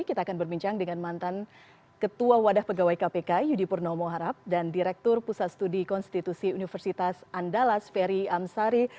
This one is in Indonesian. kita akan berbincang dengan mantan ketua wadah pegawai kpk yudi purnomo harap dan direktur pusat studi konstitusi universitas andalas ferry amsari